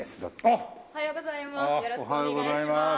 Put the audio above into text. おはようございます。